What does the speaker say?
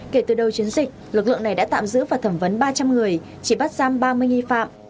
kể từ đầu chiến dịch lực lượng này đã tạm giữ và thẩm vấn ba trăm linh người chỉ bắt giam ba mươi nghi phạm